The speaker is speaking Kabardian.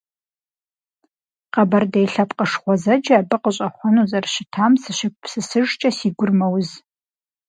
Къэбэрдей лъэпкъыш гъуэзэджэ абы къыщӀэхъуэну зэрыщытам сыщегупсысыжкӀэ, си гур мэуз.